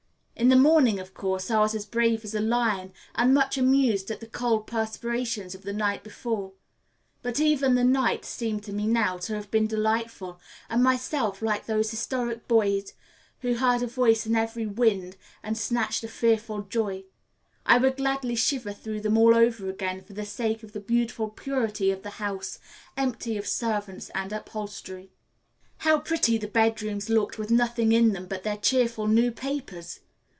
In the morning, of course, I was as brave as a lion and much amused at the cold perspirations of the night before; but even the nights seem to me now to have been delightful, and myself like those historic boys who heard a voice in every wind and snatched a fearful joy. I would gladly shiver through them all over again for the sake of the beautiful purity of the house, empty of servants and upholstery. How pretty the bedrooms looked with nothing in them but their cheerful new papers!